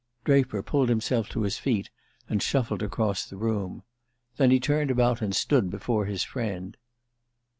Draper pulled himself to his feet and shuffled across the room. Then he turned about, and stood before his friend.